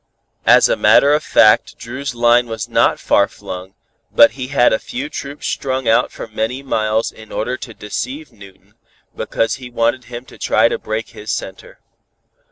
As a matter of fact, Dru's line was not far flung, but he had a few troops strung out for many miles in order to deceive Newton, because he wanted him to try and break his center.